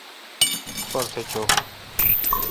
پرتھ چو۔